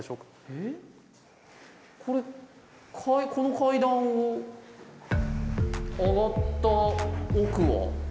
これこの階段を上がった奥は？